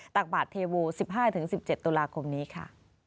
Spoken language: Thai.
ตักบาทเทโว๑๕๑๗ตุลาคมนี้ค่ะ